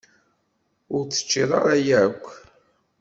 Ur t-teččiḍ ara, yak?